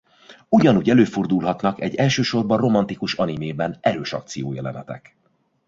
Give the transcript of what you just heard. Ugyanúgy előfordulhatnak egy elsősorban romantikus animében erős akciójelenetek.